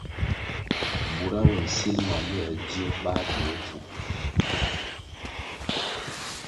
Bura bo sil ma luē dzio, bā bi bofu.